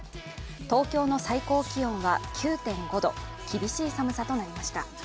東京の最高気温は９．５度、厳しい寒さとなりました。